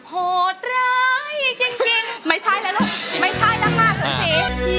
โหดร้ายจริงไม่ใช่แล้วลูกไม่ใช่แล้วค่ะสมศรี